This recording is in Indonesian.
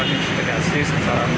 ya kita sedang melakukan penyelamatan